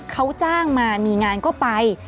เขาจ้างมามีงานก็ไป